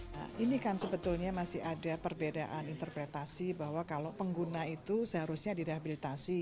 nah ini kan sebetulnya masih ada perbedaan interpretasi bahwa kalau pengguna itu seharusnya direhabilitasi